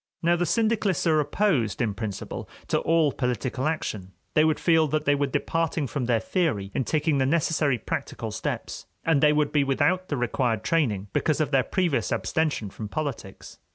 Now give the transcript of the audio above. Now the syndicalists are opposed in principle to all political action; they would feel that they were departing from their theory in taking the necessary practical steps, and they would be without the required training because of their previous abstention from politics.